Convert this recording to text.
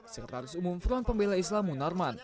sekretaris umum front pembela islam munarman